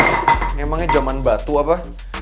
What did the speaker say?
emangnya jaman batu apa